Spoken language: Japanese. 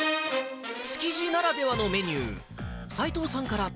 築地ならではのメニュー。